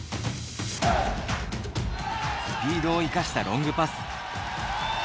スピードを生かしたロングパス。